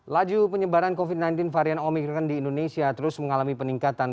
laju penyebaran covid sembilan belas varian omikron di indonesia terus mengalami peningkatan